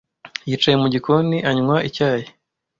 Yicaye mu gikoni anywa icyayi.